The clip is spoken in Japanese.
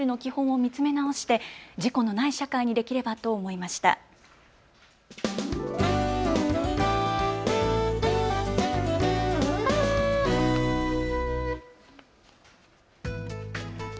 いま一度、みんなで交通ルールの基本を見つめ直して事故のない社会にできればと思いました。